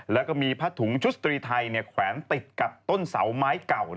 แล้วก็มีผ้าถุงชุดสตรีไทยแขวนติดกับต้นเสาไม้เก่า